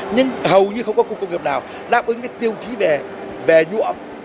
nhưng hầu như không có khu công nghiệp nào đáp ứng cái tiêu chí về nhuộm